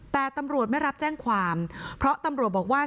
แต่ตำรวจไม่รับแจ้งความเพราะตำรวจบอกว่า